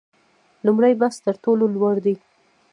لومړی بست تر ټولو لوړ دی